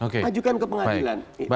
majukan ke pengadilan